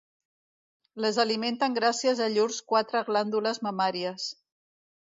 Les alimenten gràcies a llurs quatre glàndules mamàries.